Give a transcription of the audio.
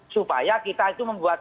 supaya kita itu membuat